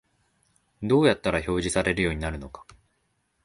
どうやったら表示されるようになるのか